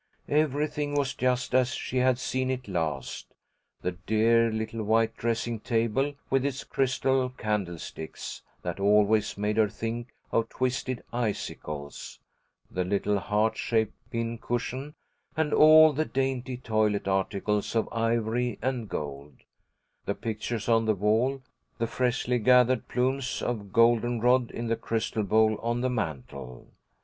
Everything was just as she had seen it last, the dear little white dressing table, with its crystal candlesticks, that always made her think of twisted icicles; the little heart shaped pincushion and all the dainty toilet articles of ivory and gold; the pictures on the wall; the freshly gathered plumes of goldenrod in the crystal bowl on the mantel.